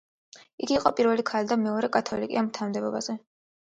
იგი იყო პირველი ქალი და მეორე კათოლიკე ამ თანამდებობაზე.